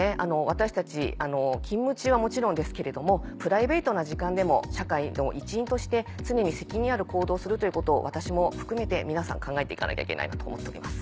私たち勤務中はもちろんですけれどもプライベートな時間でも社会の一員として常に責任ある行動をするということを私も含めて皆さん考えて行かなきゃいけないなと思っております。